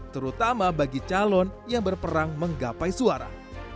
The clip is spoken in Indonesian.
terutama bagi calon yang berperang menggapai suara